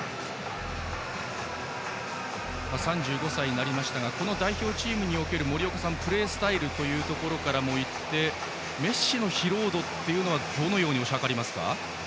３５歳になりましたがこの代表チームにおけるプレースタイルからいってメッシの疲労度はどのように推し量りますか？